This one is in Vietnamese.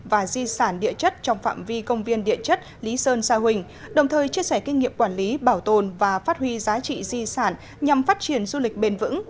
và di sản địa chất trong phạm vi công viên địa chất lý sơn sa huỳnh đồng thời chia sẻ kinh nghiệm quản lý bảo tồn và phát huy giá trị di sản nhằm phát triển du lịch bền vững